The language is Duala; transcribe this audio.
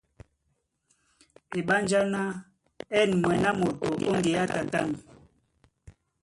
Eɓánjá na ɛ̂n mwɛ̌n á lambo ó ŋgeá tatân.